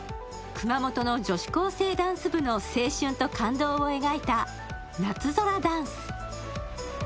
熊本の女子高校生ダンス部の青春と感動を描いた「夏空ダンス」。